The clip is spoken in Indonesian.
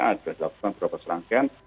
ada beberapa serangkaian